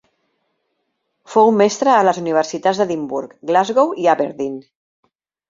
Fou mestre a les universitats d'Edimburg, Glasgow i Aberdeen.